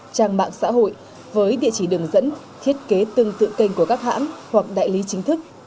trang mạng xã hội với địa chỉ đường dẫn thiết kế tương tự kênh của các hãng hoặc đại lý chính thức